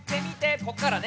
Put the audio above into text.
ここからね。